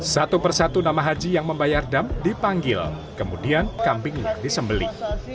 satu persatu nama haji yang membayar dam dipanggil kemudian kambingnya disembeli